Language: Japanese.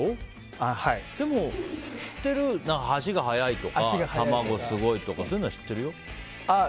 でも、足が速いとか卵がすごいとかそういうのは知ってるよ。